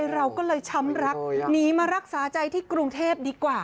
เราก็เลยช้ำรักหนีมารักษาใจที่กรุงเทพดีกว่า